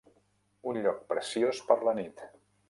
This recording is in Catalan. un lloc preciós per la nit.